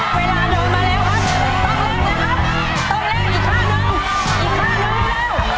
แม่หนูที่๑๓๕ก็ได้เร็ว